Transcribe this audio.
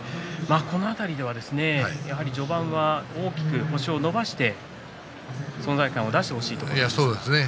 この辺りでは、やはり序盤は大きく星を伸ばして存在感を出してほしいところですが。